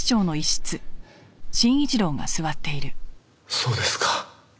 そうですか。